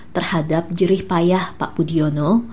terhadap jerih payah pak budiono